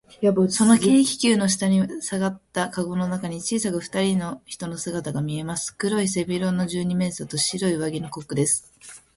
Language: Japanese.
その軽気球の下にさがったかごの中に、小さくふたりの人の姿がみえます。黒い背広の二十面相と、白い上着のコックです。